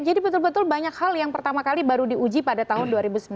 jadi betul betul banyak hal yang pertama kali baru diuji pada tahun dua ribu sembilan belas